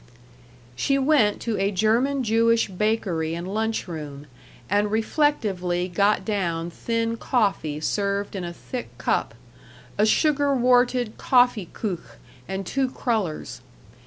She went to a German Jewish bakery and lunch room, and reflectively got down thin coffee served in a thick cup, a sugar warted Kaffeekuche, and two crullers.